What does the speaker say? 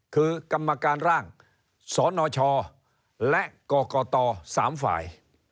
คือกรรมการร่างสนชและกรกต๓ฝ่าย